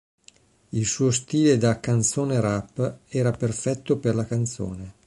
Il suo stile da "canzone rap" era perfetto per la canzone.